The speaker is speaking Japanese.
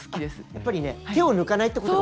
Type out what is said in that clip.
やっぱりね手を抜かないってことが。